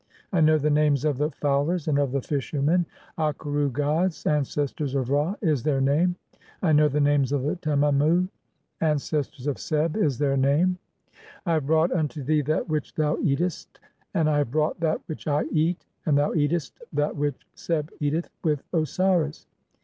I know the names of the "fowlers and of the fishermen ; (23) 'Akeru gods, ancestors of "Ra' [is their name]. I know the names of the tememu ; 'An cestors of Seb' [is their name]." (24) "I have brought unto thee that which thou eatest, and "I have brought that which I eat ; and thou eatest that which "Seb eateth with Osiris.